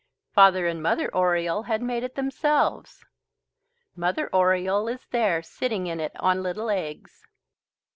Father and Mother Oriole had made it themselves. Mother Oriole is there sitting in it on little eggs.